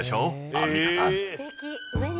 アンミカさん。